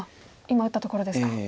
今打ったところですか。